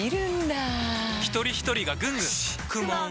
ひとりひとりがぐんぐん！よし！